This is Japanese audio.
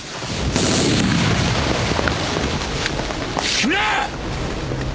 木村！